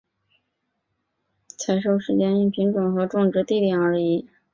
采收时间因品种和种植地点而异。